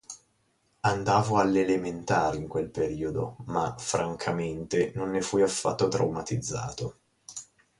Andavo alle elementari in quel periodo, ma, francamente, non ne fui affatto traumatizzato.